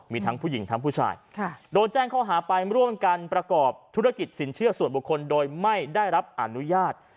มีทั้งผู้หญิงทั้งผู้ชายโดนแจ้งข้อหาไปร่วมกันประกอบธุรกิจสินเชื่อส่วนบุคคลโดยไม่ได้รับอนุญาต